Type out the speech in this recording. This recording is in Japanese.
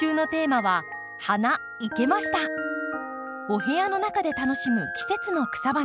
お部屋の中で楽しむ季節の草花